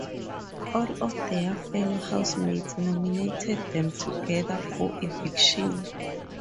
All of their fellow Housemates nominated them together for eviction.